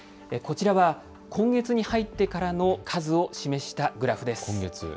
こちらは今月に入ってからの数を示したグラフです。